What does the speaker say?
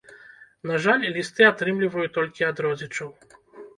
На жаль, лісты атрымліваю толькі ад родзічаў.